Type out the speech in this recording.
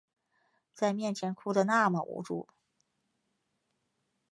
在面前哭的那么无助